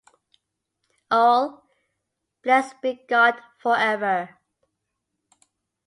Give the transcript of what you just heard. All: Blessed be God for ever.